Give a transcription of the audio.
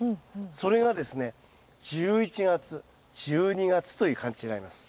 それがですね１１月１２月という感じになります。